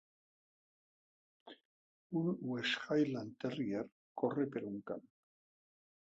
Un West Highland Terrier corre per un camp.